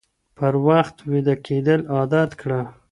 پر وخت ويده کېدل عادت کړه